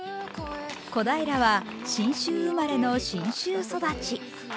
小平は信州生まれの信州育ち。